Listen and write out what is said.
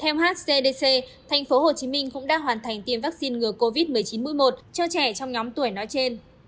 theo hcdc tp hcm cũng đã hoàn thành tiêm vaccine ngừa covid một mươi chín mũi một cho trẻ trong nhóm tuổi nói trên